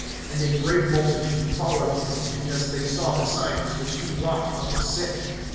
(2)And a great multitude followed him, because they saw the signs which he wrought on the sick.